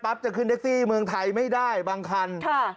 จะขึ้นแท็กซี่เมืองไทยไม่ได้บางคัน